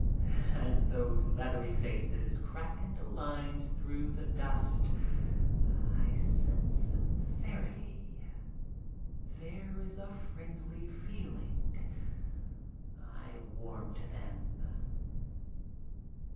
As those leathery faces crack into lines through the dust I sense sincerity. There is a friendly feeling. I warm to them.